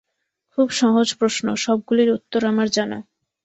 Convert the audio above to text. খুব সহজ প্রশ্ন, সবগুলির উত্তর আমার জানা।